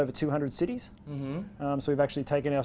kami telah menutup sekitar dua ratus kota